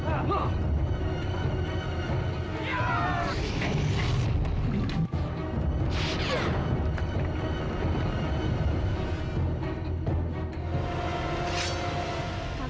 kakang aku pergi ke ningxi karena aku telah menangkap kakang